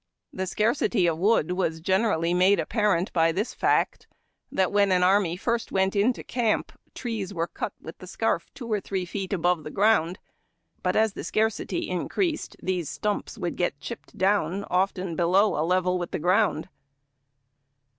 The scarcity of wood was generally made apparent by this fact, that when an army first went into camp trees were cut with the scarf two or three feet above the ground, but as the scarcity increased these stumps would get chipped down often below a level with the ground.